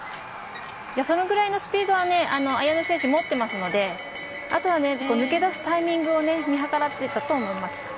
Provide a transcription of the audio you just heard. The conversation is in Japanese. そのくらいのスピードは綾乃選手は持っていますので、あとは抜け出すタイミングを見計らっていたと思います。